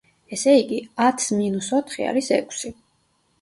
ესე იგი, ათს მინუს ოთხი არის ექვსი.